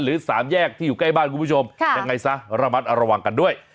สามแยกที่อยู่ใกล้บ้านคุณผู้ชมยังไงซะระมัดระวังกันด้วย